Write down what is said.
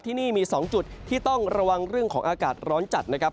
ที่นี่มี๒จุดที่ต้องระวังเรื่องของอากาศร้อนจัดนะครับ